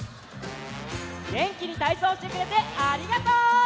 げんきにたいそうしてくれてありがとう！